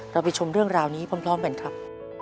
ไปชมเรื่องราวนี้พร้อมกันครับ